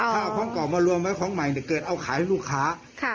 ถ้าเอาของเก่ามารวมไว้ของใหม่เกิดเอาขายให้ลูกค้า